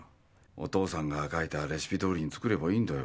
お父さんが書いたレシピどおりに作ればいいんだよ。